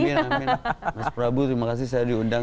mas prabu terima kasih saya diundang